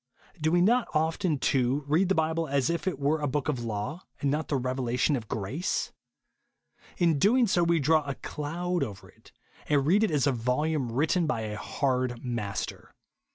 Do wo not often, too, read the Bible as if it were a book of law, and not the re velation of grace ? In so doing, we draw a cloud over it, and read it as a volume written by a hard master.